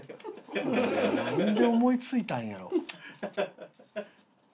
なんで思いついたんやろ？